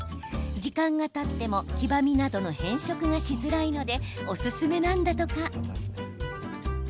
時間がたっても黄ばみなどの変色がしづらいのでおすすめなんだとか。